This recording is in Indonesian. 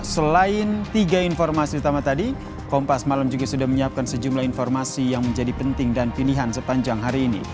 selain tiga informasi utama tadi kompas malam juga sudah menyiapkan sejumlah informasi yang menjadi penting dan pilihan sepanjang hari ini